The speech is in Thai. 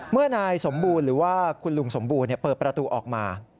เมื่อนายสมบูรณ์หรือว่าคุณลุงสมบูรณ์เปิดประตูออกมา